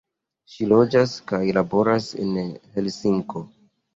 Ŝi loĝas kaj laboras en Helsinko.